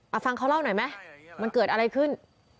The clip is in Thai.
เอาฟังเขาเล่าหน่อยไหมมันเกิดอะไรขึ้น